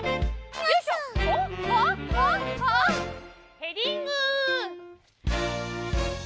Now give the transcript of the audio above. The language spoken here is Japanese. ヘディング！